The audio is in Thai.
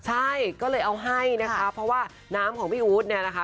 ใช่ก็เลยเอาให้นะคะเพราะว่าน้ำของพี่อู๊ดเนี่ยนะคะ